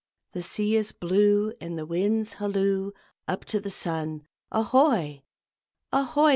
The sea is blue and the winds halloo Up to the sun "Ahoy!" "Ahoy!"